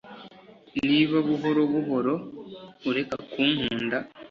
niba buhoro buhoro ureka kunkunda